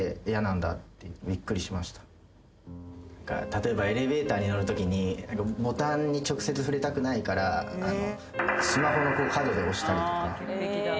例えばエレベーターに乗るときにボタンに直接触れたくないからスマホの角で押したりとか。